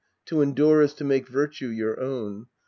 To endure is to make virtue your own.